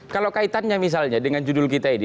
kalau kaitannya misalnya dengan judul kita ini